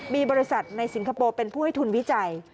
มีบริษัทในสิงคโปร์เป็นผู้ให้ทุนวิจัย